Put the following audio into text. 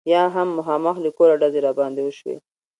یا هم مخامخ له کوره ډزې را باندې وشي.